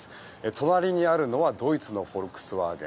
隣にあるのはドイツのフォルクスワーゲン。